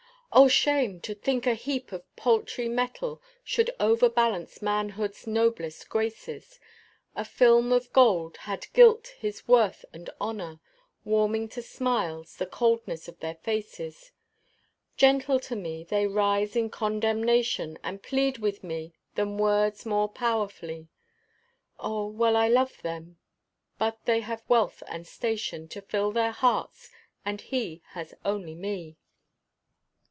Oh, shame! to think a heap of paltry metal Should overbalance manhood's noblest graces; A film of gold had gilt his worth and honor, Warming to smiles the coldness of their faces; Gentle to me, they rise in condemnation, And plead with me than words more powerfully. Oh! well I love them but they have wealth and station To fill their hearts, and he has only me.